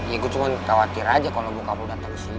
ya gue cuma khawatir aja kalo bokap lo dateng kesini